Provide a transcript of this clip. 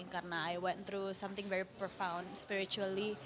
karena saya melalui sesuatu yang sangat berpengalaman secara spiritual